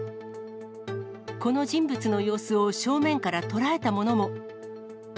この人物の様子を正面から捉えたものも。